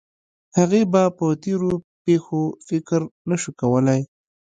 هغې به په تېرو پېښو فکر نه شو کولی